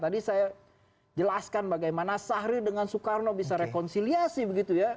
tadi saya jelaskan bagaimana sahrir dengan soekarno bisa rekonsiliasi begitu ya